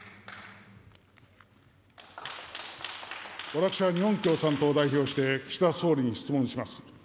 私は日本共産党を代表して、岸田総理に質問します。